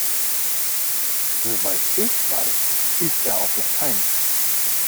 Soweit ich weiß, ist er auf Latein.